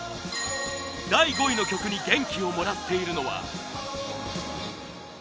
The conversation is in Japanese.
第５位の曲に元気をもらっているのは。